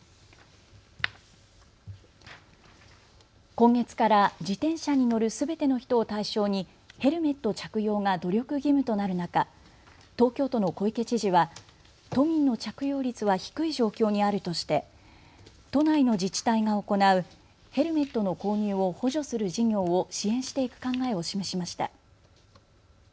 今月から自転車に乗るすべての人を対象にヘルメット着用が努力義務となる中、東京都の小池知事は都民の着用率は低い状況にあるとして都内の自治体が行うヘルメットの購入を補助する事業を支援していく考えを示しました。